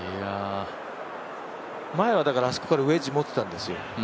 前はあそこからウェッジ持ってたんですよ。